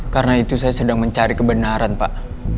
karena itu saya sedang mencari kebenaran pak